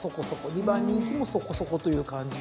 ２番人気もそこそこという感じで。